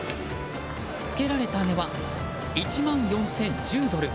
つけられた値は１万４０１０ドル。